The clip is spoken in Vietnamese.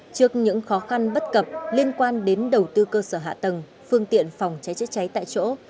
trước những khó khăn bất cập liên quan đến đầu tư cơ sở hạ tầng phương tiện phòng cháy chữa cháy tại chỗ